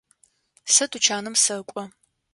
Сэ тучаным сэкӏо.